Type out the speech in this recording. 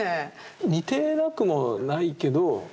似てなくもないけど。